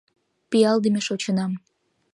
Пиалдыме шочынам...